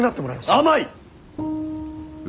甘い！